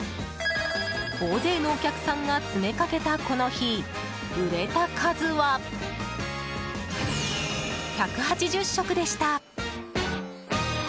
大勢のお客さんが詰めかけたこの日、売れた数は１８０食でした。